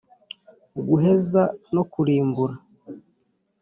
guheza no kurimbura